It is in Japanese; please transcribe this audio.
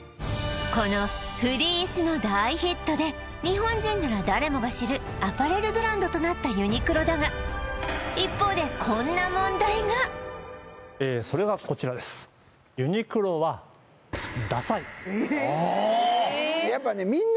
このフリースの大ヒットで日本人なら誰もが知るアパレルブランドとなったユニクロだがそれがこちらです「ユニクロはダサい」ああ！